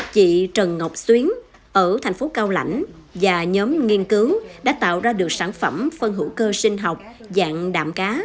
chị trần ngọc xuyến ở thành phố cao lãnh và nhóm nghiên cứu đã tạo ra được sản phẩm phân hữu cơ sinh học dạng đạm cá